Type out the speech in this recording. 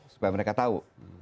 supaya mereka tahu